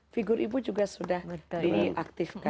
figur ibu juga sudah diaktifkan